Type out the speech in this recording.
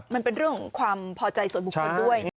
มันเป็นเรื่องของความพอใจส่วนบุคคลด้วย